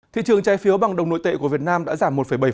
thị trường trái phiếu bằng đồng nội tệ của việt nam đã giảm một bảy